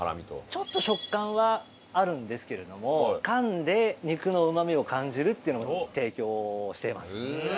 ちょっと食感はあるんですけれどもかんで肉のうまみを感じるっていうのを提供しています。